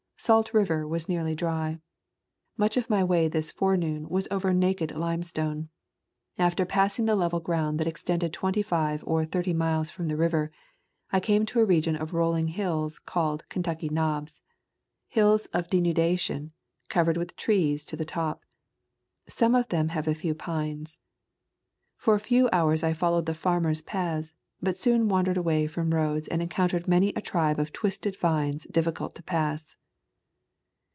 Salt River was nearly dry. Much of my way this forenoon was over naked limestone. After passing the level ground that extended twenty five or thirty miles from the river I came to a region of roll ing hills called Kentucky Knobs — hills of de nudation, covered with trees to the top. Some of them have a few pines. For a few hours I followed the farmers' paths, but soon wan dered away from roads and encountered many a tribe of twisted vines difficult to pass.